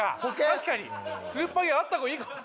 確かにつるっぱげあった方がいいかも。